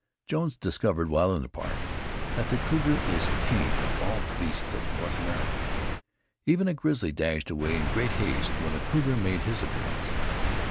Jones discovered, while in the park, that the cougar is king of all the beasts of North America. Even a grizzly dashed away in great haste when a cougar made his appearance.